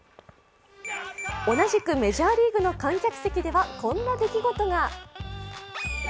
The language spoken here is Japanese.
同じくメジャーリーグの観客席ではこんな出来事が。